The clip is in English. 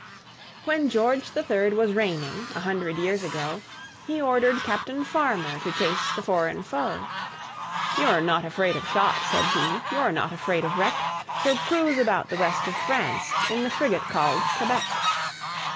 When George the Third was reigning, a hundred years ago, He ordered Captain Farmer to chase the foreign foe, "You're not afraid of shot," said he, "you're not afraid of wreck, So cruise about the west of France in the frigate called Quebec.